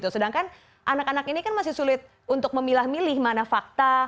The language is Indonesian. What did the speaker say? sedangkan anak anak ini kan masih sulit untuk memilah milih mana fakta